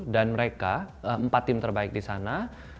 dan mereka empat tim terbaik di sana